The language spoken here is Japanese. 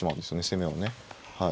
攻めをね。